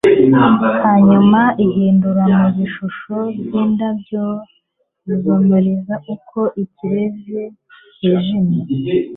hanyuma uhindure mubishusho byindabyo zumuriro uko ikirere kizimye